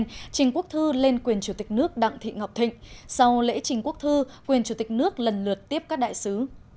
trình quốc thư lên quyền chủ tịch nước đặng thị ngọc thịnh sau lễ trình quốc thư quyền chủ tịch nước lần lượt tiếp các đại sứ